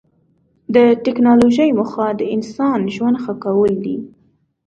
د ټکنالوجۍ موخه د انسان ژوند ښه کول دي.